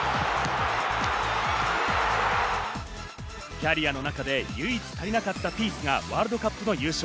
キャリアの中で唯一足りなかったピースがワールドカップの優勝。